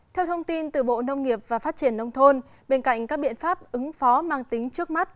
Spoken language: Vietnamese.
theo thông tin từ bộ nông nghiệp và phát triển nông thôn bên cạnh các biện pháp ứng phó mang tính trước mắt